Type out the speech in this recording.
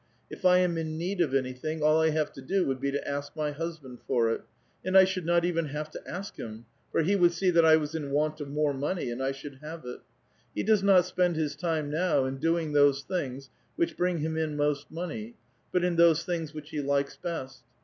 If I am in need of anything, all I have to do would be to ask my husband for it ; and 1 should not even have to ask him, for he would see that 1 was in want of more mone}', and I should have it. He does not spend his time now in doing those things which bring him in most money, but in those things which he likes best.